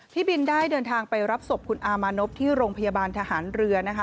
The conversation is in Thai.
พี่บินได้เดินทางไปรับศพคุณอามานพที่โรงพยาบาลทหารเรือนะคะ